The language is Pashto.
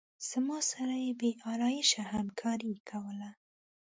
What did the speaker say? زما سره یې بې آلایشه همکاري کوله.